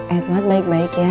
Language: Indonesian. edwat baik baik ya